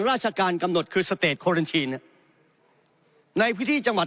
ราชการกำหนดคือสเตจโครันทีนในพื้นที่จังหวัด